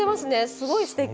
すごいすてき！